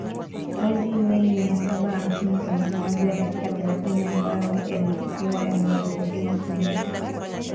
Mwezi Mei mia saba hamsini kwa matangazo ya dakika thelathini ambayo yalikuwa yamerekodiwa kwenye ukanda